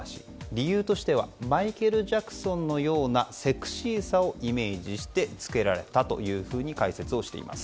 理由としてはマイケル・ジャクソンのようなセクシーさをイメージしてつけられたというふうに解説をしています。